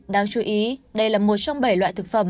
đáng chú ý đây là một trong bảy loại thực phẩm